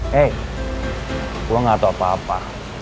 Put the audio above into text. hei saya tidak tahu apa apa